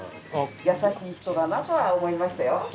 優しい人だなとは思いましたよ。